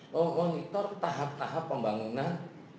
mau monitor tahap tahap pembangunan